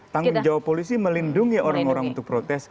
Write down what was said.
tanggung jawab polisi melindungi orang orang untuk protes